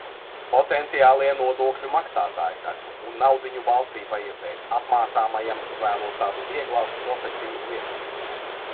Potenciālie nodokļu maksātāji taču! Un naudiņu valstij vajadzēs. Apmācāmajam izvēlos tādu vieglāku profesiju - lietvedību.